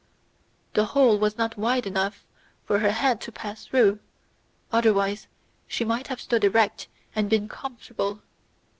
The hole was not wide enough for her head to pass through, otherwise she might have stood erect and been comfortable.